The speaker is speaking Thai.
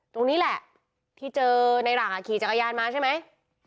ตรงนี้แหละที่เจอในหลังขี่จักรยานมาใช่ไหม